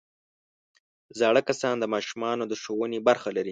زاړه کسان د ماشومانو د ښوونې برخه لري